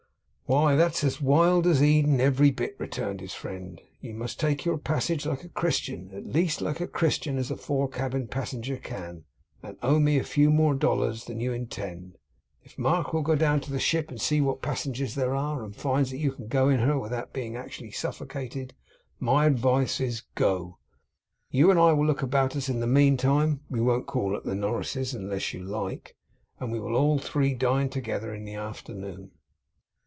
'Why, that's as wild as Eden every bit,' returned his friend. 'You must take your passage like a Christian; at least, as like a Christian as a fore cabin passenger can; and owe me a few more dollars than you intend. If Mark will go down to the ship and see what passengers there are, and finds that you can go in her without being actually suffocated, my advice is, go! You and I will look about us in the meantime (we won't call at the Norris's unless you like), and we will all three dine together in the afternoon.